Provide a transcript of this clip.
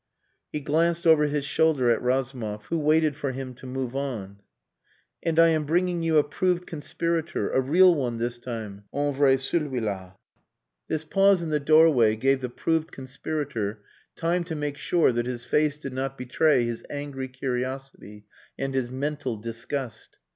He glanced over his shoulder at Razumov, who waited for him to move on. "And I am bringing you a proved conspirator a real one this time. Un vrai celui la." This pause in the doorway gave the "proved conspirator" time to make sure that his face did not betray his angry curiosity and his mental disgust.